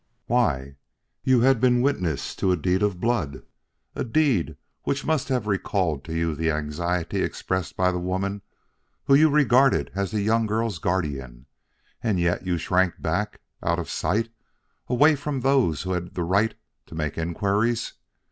"Why? You had been witness to a deed of blood a deed which must have recalled to you the anxiety expressed by the woman whom you regarded as the young girl's guardian; and yet you shrank back out of sight away from those who had the right to make inquiries!